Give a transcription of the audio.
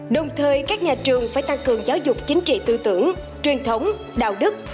đồng thời các nhà trường phải tăng cường giáo dục chính trị tư tưởng truyền thống đạo đức